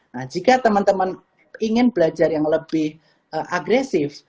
nah jika teman teman ingin belajar yang lebih agresif